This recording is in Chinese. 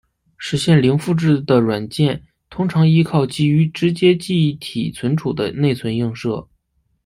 实现零复制的软件通常依靠基于直接记忆体存取的内存映射。